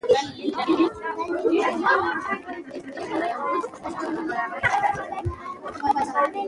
ميوند ولسوالي يو پښتون ميشته سيمه ده .